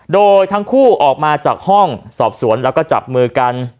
โดยทั้งคู่ออกมาจากห้องสอบสวนแล้วก็จับมือกัน